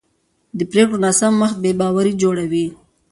د پرېکړو ناسم وخت بې باوري جوړوي